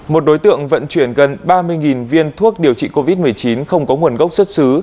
một đối tượng vận chuyển gần ba mươi viên thuốc điều trị covid một mươi chín không có nguồn gốc xuất xứ